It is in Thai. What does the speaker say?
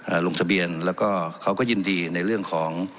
ลงทะเบียนแล้วก็เขาก็ยินดีในเรื่องของ